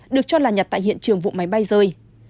được cho là nhặt tại hiện trường vụ máy bay rơi